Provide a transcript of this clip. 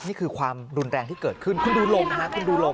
นี่คือความรุนแรงที่เกิดขึ้นคุณดูลมค่ะคุณดูลม